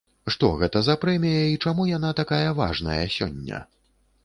Што гэта за прэмія і чаму яна такая важная сёння?